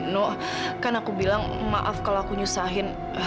no kan aku bilang maaf kalau aku nyusahin